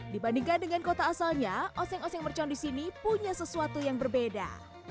dibandingkan dengan kota asalnya oseng oseng mercon di sini punya sesuatu yang berbeda